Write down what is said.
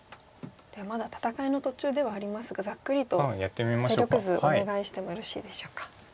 まだ戦いの途中ではありますがざっくりと勢力図お願いしてもよろしいでしょうか。